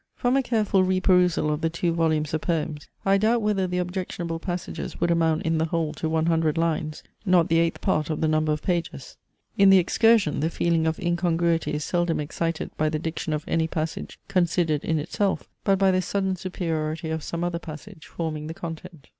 From a careful reperusal of the two volumes of poems, I doubt whether the objectionable passages would amount in the whole to one hundred lines; not the eighth part of the number of pages. In THE EXCURSION the feeling of incongruity is seldom excited by the diction of any passage considered in itself, but by the sudden superiority of some other passage forming the context.